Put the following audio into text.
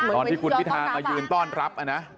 ตอนที่คุณพิธามายืนต้อนรับนะ